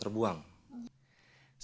terbuka dan terbuang